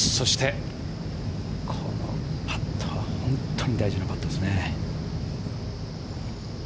このパットは本当に大事なパットですね。